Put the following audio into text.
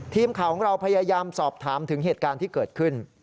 ทีมข่าวของเราพยายามสอบถามถึงเหตุการณ์ที่เกิดขึ้น